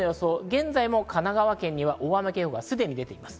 現在も神奈川県には大雨警報がすでに出ています。